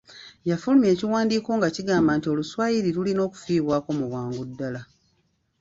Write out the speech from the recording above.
Yafulumya ekiwandiiko nga kigamba nti Oluswayiri lulina okufiibwako mu bwangu ddala.